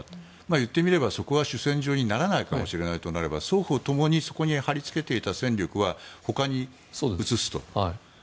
言ってみれば、そこは主戦場にならないかもしれないとなれば双方ともにそこに張り付けていた戦力は他に移すと。